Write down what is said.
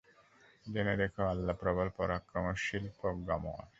জেনে রেখো, আল্লাহ্ প্রবল পরাক্রমশালী, প্রজ্ঞাময়।